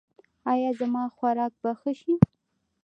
ایا زما خوراک به ښه شي؟